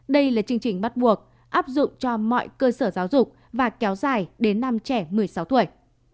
đây là chương trình bắt buộc áp dụng cho mọi cơ sở giáo dục và kéo dài đến năm trẻ một mươi sáu tuổi